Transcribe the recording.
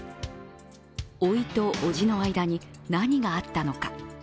おいと叔父の間に何があったのか。